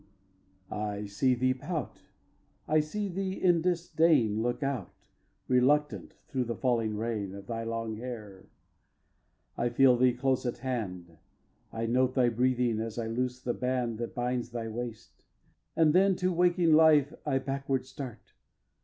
xiv. I see thee pout. I see thee in disdain Look out, reluctant, through the falling rain Of thy long hair. I feel thee close at hand. I note thy breathing as I loose the band That binds thy waist, and then to waking life I backward start!